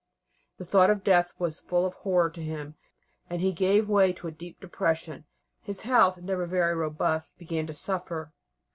The thought of death was full of horror to him, and he gave way to a deep depression. His health, never very robust, began to suffer.